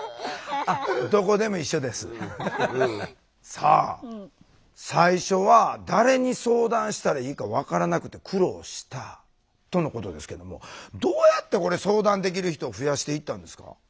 さあ最初は誰に相談したらいいか分からなくて苦労したとのことですけどもどうやってこれ相談できる人を増やしていったんですか？